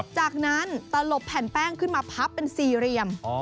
จากนั้นตลบแผ่นแป้งขึ้นมาพับเป็นสี่เหลี่ยม